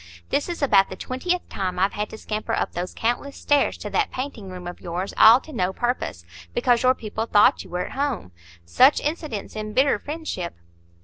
This is about the twentieth time I've had to scamper up those countless stairs to that painting room of yours, all to no purpose, because your people thought you were at home. Such incidents embitter friendship."